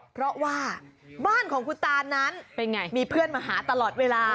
เพราะว่าบ้านของคุณตานั้นมีเพื่อนมาหาตลอดเวลา